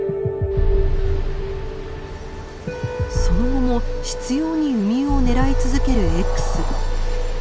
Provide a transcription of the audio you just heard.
その後も執ようにウミウを狙い続けるＸ。